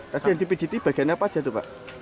tapi yang dipijati bagian apa aja tuh pak